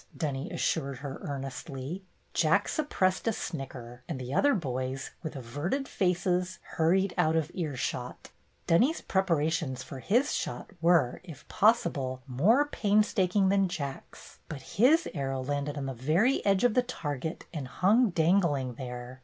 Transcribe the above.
Dunny as sured her earnestly. Jack suppressed a snicker, and the other boys, with averted faces, hurried out of earshot. Dunny's preparations for his shot were, if possible, more painstaking than Jack's, but his arrow landed on the very edge of the target and hung dangling there.